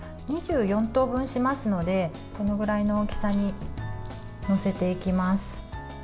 ２４等分しますのでこれぐらいの大きさに載せていきます。